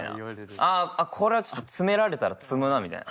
ああこれはちょっと詰められたら詰むなみたいな。